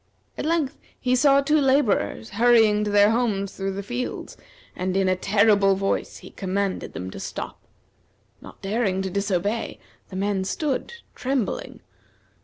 At length he saw two laborers hurrying to their homes through the fields, and in a terrible voice he commanded them to stop. Not daring to disobey, the men stood, trembling.